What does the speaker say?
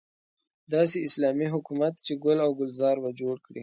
داسې اسلامي حکومت چې ګل او ګلزار به جوړ کړي.